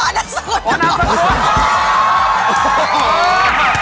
พรมนักศักดิ์สิทธิ์